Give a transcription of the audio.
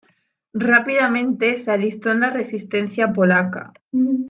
Rápidamente se alistó en la resistencia polaca.